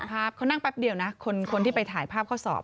ครับเขานั่งแป๊บเดียวนะคนที่ไปถ่ายภาพเขาสอบ